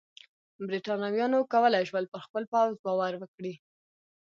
برېټانویانو کولای شول پر خپل پوځ باور وکړي.